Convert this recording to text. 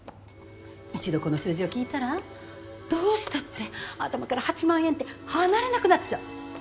一度この数字を聞いたらどうしたって頭から８万円って離れなくなっちゃう。